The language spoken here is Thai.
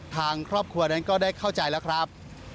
ทางครอบครัวนั้นก็ได้เข้าใจแล้วครับ